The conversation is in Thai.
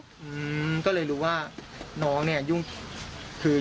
เห็นบางอย่างก็เลยรู้ว่าน้องเนี่ย